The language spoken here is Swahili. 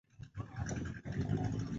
Nipaapo mbinguni, nakukuona enzini